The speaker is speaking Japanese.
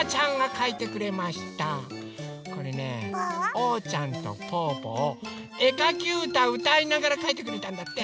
おうちゃんとぽぅぽをえかきうたうたいながらかいてくれたんだって。